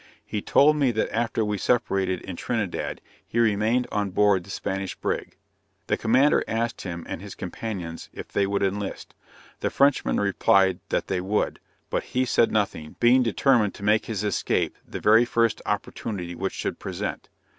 He told me that after we separated in Trinidad, he remained on board the Spanish brig. The commander asked him and his companions if they would enlist; the Frenchmen replied that they would, but he said nothing, being determined to make his escape, the very first opportunity which should present.